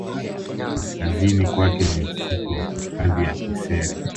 Kaskazini kwake ni msitu wa hifadhi ya Kisere